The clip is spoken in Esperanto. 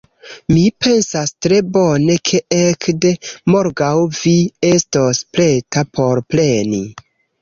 Mi pensas tre bone ke ekde morgaŭ, vi estos preta por preni...